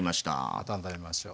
温めましょう。